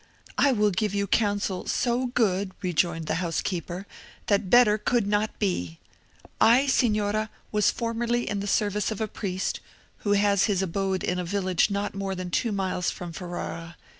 "I will give you counsel so good," rejoined the housekeeper, "that better could not be. I, Signora, was formerly in the service of a priest, who has his abode in a village not more than two miles from Ferrara.